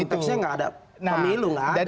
dan itu konteksnya tidak ada pemilu tidak ada